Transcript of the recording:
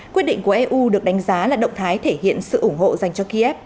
quyết định của eu được đánh giá là động thái thể hiện sự ủng hộ dành cho ký ép